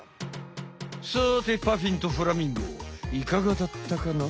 さてパフィンとフラミンゴいかがだったかな？